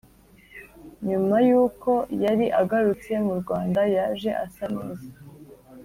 nyuma yuko yari agarutse mu Rwanda yaje asa neza